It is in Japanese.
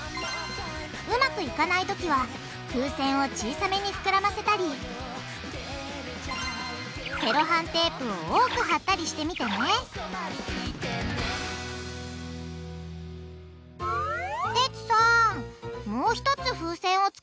うまくいかないときは風船を小さめにふくらませたりセロハンテープを多くはったりしてみてねテツさん！